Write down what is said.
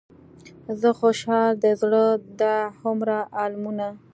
زه خوشحال د زړه دا هومره المونه.